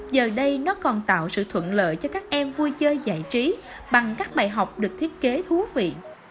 giờ đây nó còn tạo sự thuận lợi cho các em vui chơi giải trí bằng các bài học được thiết kế thú vị